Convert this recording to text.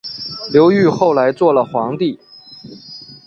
刘裕后来做了皇帝。